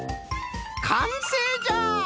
かんせいじゃ！